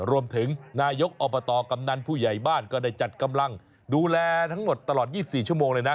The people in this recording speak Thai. นายกอบตกำนันผู้ใหญ่บ้านก็ได้จัดกำลังดูแลทั้งหมดตลอด๒๔ชั่วโมงเลยนะ